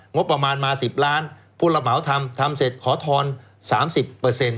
งบประมาณมาสิบล้านผู้ระเหมาทำทำเสร็จขอทอนสามสิบเปอร์เซ็นต์